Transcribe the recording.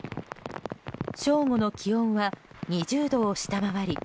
正午の気温は２０度を下回り